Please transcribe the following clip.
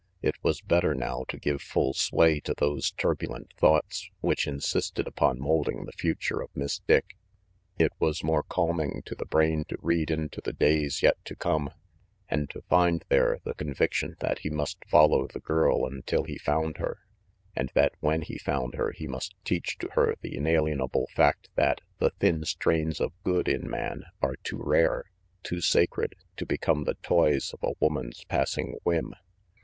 It was better now to give full sway to those turbulent thoughts which insisted upon molding the future of Miss Dick. It was more calming to the brain to read into the days yet to come, and to find there the conviction that he must follow the girl until he found her, and that when he found her he must teach to her the inalienable fact that the thin strains of good in man RANGY PETE are too rare, too sacred, to become the toys woman's passing whim.